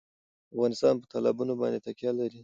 افغانستان په تالابونه باندې تکیه لري.